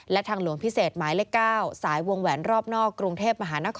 และทางหลวงพิเศษหมายเลข๙สายวงแหวนรอบนอกกรุงเทพมหานคร